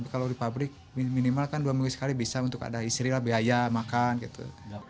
kalau di pabrik minimal kan dua minggu sekali bisa untuk ada istri lah biaya makan gitu